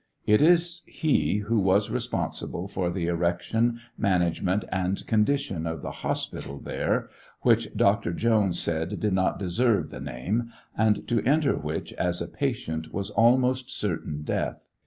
It is he who was reponsible for the erection, man agement and condition of the hospital there, which Dr. Jones said did not deserve the name, and to enter which as a patient was almost certain death.